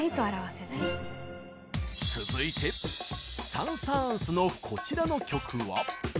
続いてサン・サーンスのこちらの曲は。